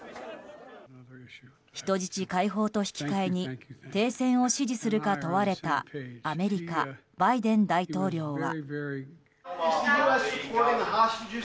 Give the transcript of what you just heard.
人質解放と引き換えに停戦を支持するか問われたアメリカ、バイデン大統領は。